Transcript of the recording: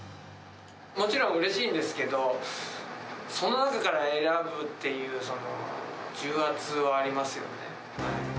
もちろんうれしいんですけど、その中から選ぶっていう重圧はありますよね。